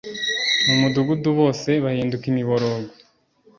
mu mudugudu bose bahinduka imiborogo